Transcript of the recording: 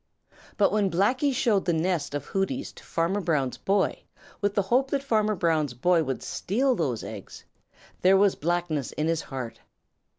But when Blacky showed that nest of Hooty's to Farmer Brown's boy with the hope that Farmer Brown's boy would steal those eggs, there was blackness in his heart.